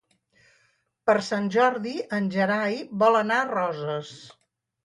Per Sant Jordi en Gerai vol anar a Roses.